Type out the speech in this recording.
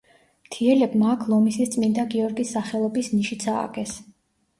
მთიელებმა აქ ლომისის წმინდა გიორგის სახელობის ნიშიც ააგეს.